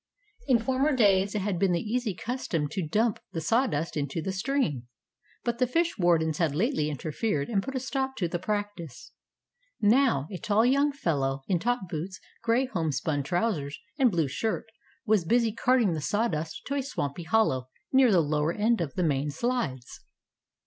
In former days it had been the easy custom to dump the sawdust into the stream, but the fish wardens had lately interfered and put a stop to the practice. Now, a tall young fellow, in top boots, gray homespun trousers and blue shirt, was busy carting the sawdust to a swampy hollow near the lower end of the main slides.